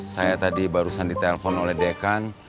saya tadi barusan ditelepon oleh dekan